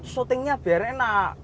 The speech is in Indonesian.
syutingnya biar enak